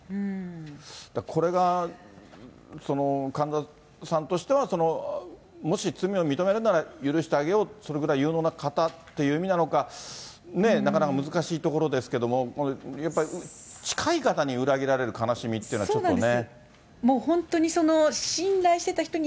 これが神田さんとしては、もし罪を認めるなら許してあげよう、それぐらい有能な方っていう意味なのか、なかなか難しいところですけれども、やっぱり近い方に裏切られる悲しみっていうのは、ちょっとね。